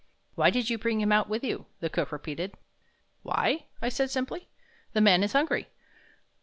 "Why did you bring him out with you?" the cook repeated. "Why?" I said, simply, "the man is hungry."